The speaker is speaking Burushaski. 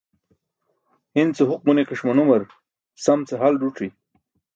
Hi̇n ce huk ġuni̇ki̇ṣ manumar sam ce hal ẓuc̣i̇.